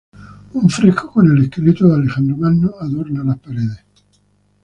Un fresco con el esqueleto de Alejandro Magno adorna las paredes.